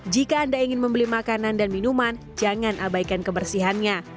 jika anda ingin membeli makanan dan minuman jangan abaikan kebersihannya